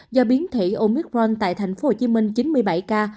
do biến thể omicron tại tp hcm chín mươi bảy ca